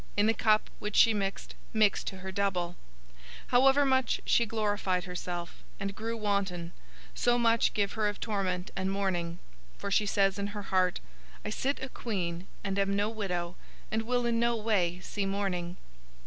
In the cup which she mixed, mix to her double. 018:007 However much she glorified herself, and grew wanton, so much give her of torment and mourning. For she says in her heart, 'I sit a queen, and am no widow, and will in no way see mourning.'